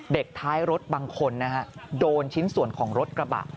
ท้ายรถบางคนนะฮะโดนชิ้นส่วนของรถกระบะ